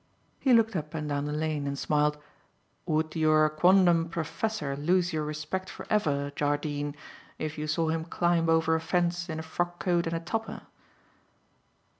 He looked up and down the lane and smiled. "Would your quondam professor lose your respect for ever, Jardine, if you saw him climb over a fence in a frock coat and a topper?"